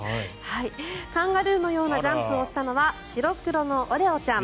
カンガルーのようなジャンプをしたのは白黒のオレオちゃん。